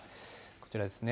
こちらですね。